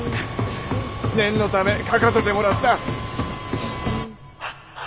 念のため書かせてもらった。